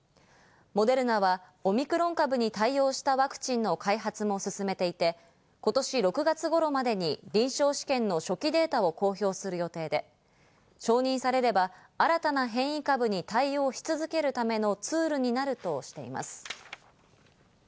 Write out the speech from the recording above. モデルナはオミクロン株に対応したワクチンの開発も進めていて、今年６月頃までに臨床試験の初期データを公表する予定で、承認されれば新たな変異株に対応し続けるためのツールになるとしています。